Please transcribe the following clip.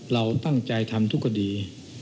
เราตั้งใจทำทุกคดี